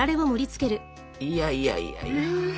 いやいやいやいや。